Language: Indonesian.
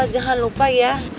jangan lupa ya